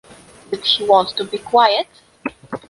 Did he want to be quiet?